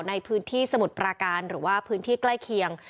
ในพื้นที่สมุทรปราการหรือว่าพื้นที่ใกล้เคียง